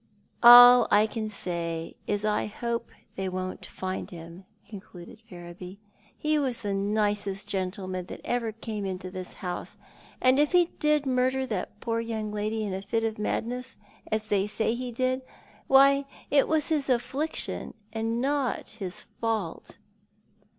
"And all I can say is I hope they won't find him," concluded Ferriby. "He was the nicest gentleman that ever came into this lioiuse— and if he did murder that poor young lady in a fit of madness— as they say he did — why, it was his affliction, and not his fault."